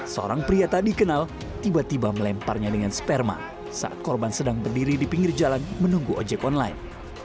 seorang pria tadi kenal tiba tiba melemparnya dengan sperma saat korban sedang berdiri di pinggir jalan menunggu ojek online